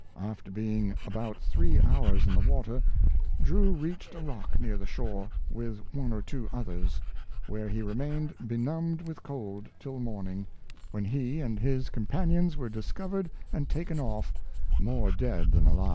After being about three hours in the water, Drew reached a rock near the shore, with one or two others, where he remained benumbed with cold till morning, when he and his his companions were discovered and taken off, more dead than alive.